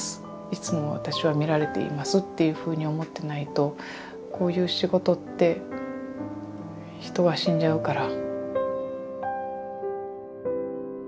いつも私は見られていますっていうふうに思ってないとこういう仕事って人は死んじゃうから。